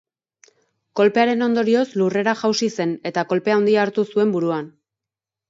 Kolpearen ondorioz, lurrera jausi zen, eta kolpe handia hartu zuen buruan.